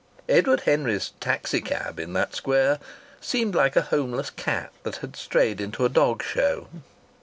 Edward Henry's taxi cab in that Square seemed like a homeless cat that had strayed into a dog show.